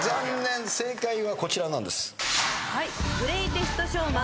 正解はこちらなんです。